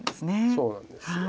そうなんですよね。